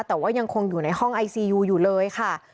แต่ว่ายังคงอยู่ในห้องไอซียูอยู่เลยค่ะ